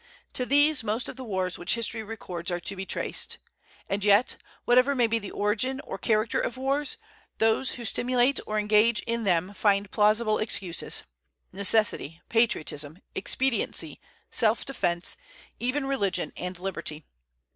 To these most of the wars which history records are to be traced. And yet, whatever may be the origin or character of wars, those who stimulate or engage in them find plausible excuses, necessity, patriotism, expediency, self defence, even religion and liberty.